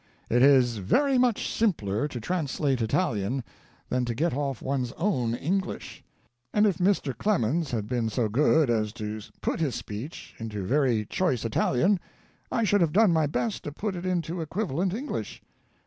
It is very much simpler to translate Italian than to get off one's own English, and if Mr. Clemens had been so good as to put his speech into very choice Italian I should have done my best to put it into equivalent English.